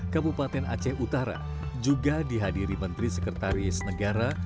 kabupaten aceh utara juga dihadiri menteri sekretaris negara